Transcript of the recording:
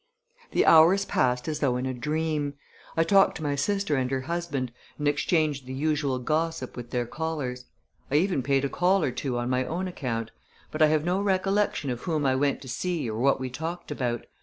The hours passed as though in a dream. I talked to my sister and her husband, and exchanged the usual gossip with their callers. I even paid a call or two on my own account; but I have no recollection of whom I went to see or what we talked about.